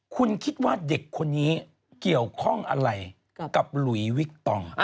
คุณคิดว่าเด็กคนนี้เกี่ยวข้องอะไรกับหลุยวิกตอง